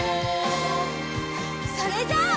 それじゃあ。